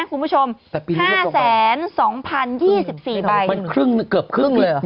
คุณผู้ชม๕๒๐๒๔ใบมันครึ่งเกือบครึ่งเลยเหรอ